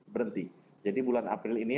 berhenti jadi bulan april ini